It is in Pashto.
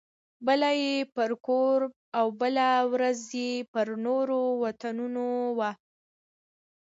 بله یې پر کور او بله ورځ یې پر نورو وطنونو وه.